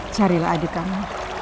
carilah adik kamu